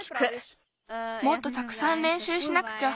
もっとたくさんれんしゅうしなくちゃ。